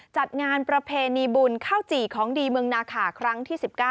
จัดงานประเพณีบุญข้าวจี่ของดีเมืองนาขาครั้งที่๑๙